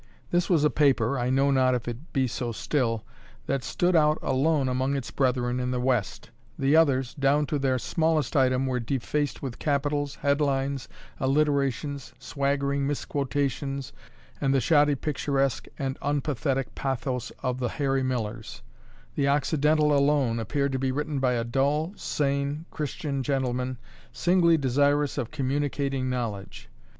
This was a paper (I know not if it be so still) that stood out alone among its brethren in the West; the others, down to their smallest item, were defaced with capitals, head lines, alliterations, swaggering misquotations, and the shoddy picturesque and unpathetic pathos of the Harry Millers: the Occidental alone appeared to be written by a dull, sane, Christian gentleman, singly desirous of communicating knowledge.